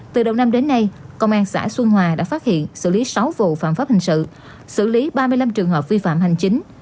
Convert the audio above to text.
từ đầu năm đến nay công an xã xuân hòa đã phát hiện xử lý sáu vụ phạm pháp hình sự xử lý ba mươi năm trường hợp vi phạm hành chính